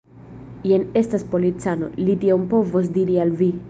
Jen estas policano; li tion povos diri al vi.